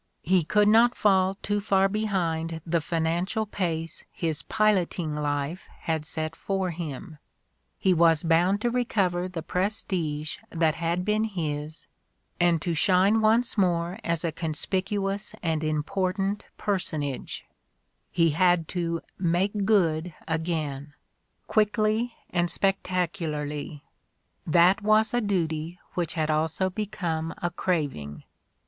He could not fall too far behind the financial pace his piloting life had set for him, he was bound to recover the prestige that had been his and to shine once more as a conspicuous and impor tant personage, he had to "make good" again, quickly and spectacularly: that was a duty which had also become a craving.